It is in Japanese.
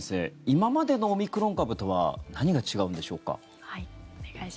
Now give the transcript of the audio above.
今までのオミクロン株とは何が違うんでしょうか？